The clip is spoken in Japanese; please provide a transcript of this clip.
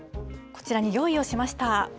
こちらに用意をしました。